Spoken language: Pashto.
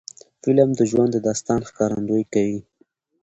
فلم د ژوند د داستان ښکارندویي کوي